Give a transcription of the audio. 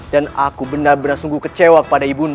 dan aku benar benar sungguh kecewa pada ibu nda